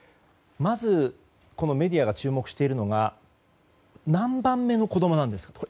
まずメディアが注目しているのが何番目の子供なんですかと。